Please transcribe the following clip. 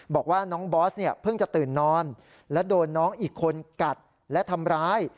บอกว่าน้องบอสเนี่ยเพิ่งจะตื่นนอนและโดนน้องอีกคนกัดและทำร้าย